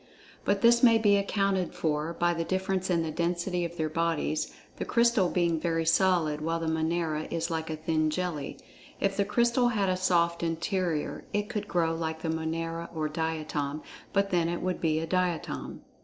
But this may be accounted for by the difference in the density of their bodies, the Crystal being very solid, while the Monera is like a thin jelly. If the Crystal had a soft interior, it could grow like the Monera or Diatom, but then it would be a Diatom.